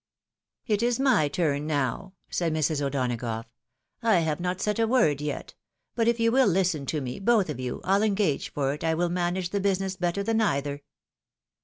" It is my turn now," said Mrs. O'Donagough. " I have not said a word yet ; but if you will listen to me, both of you, I'U engage for it I will manage the business better than either."